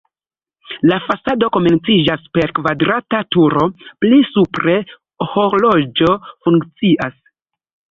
La fasado komenciĝas per kvadrata turo, pli supre horloĝo funkcias.